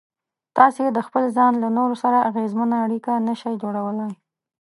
تاسې د خپل ځان له نورو سره اغېزمنه اړيکه نشئ جوړولای.